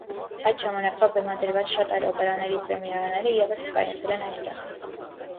Այդ ժամանակվա բեմադրված շատ այլ օպերաների պրեմիերաները ևս կայացել են այստեղ։